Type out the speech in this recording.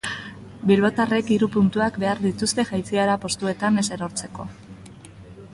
Bilbotarrek hiru puntuak behar dituzte jaitsiera postuetan ez erortzeko.